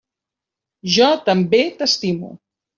Jo també t'estimo.